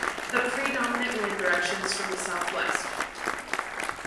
The predominant wind direction is from the south-west.